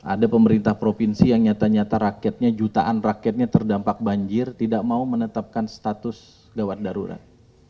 ada pemerintah provinsi yang nyata nyata rakyatnya jutaan rakyatnya terdampak banjir tidak mau menetapkan status gawat darurat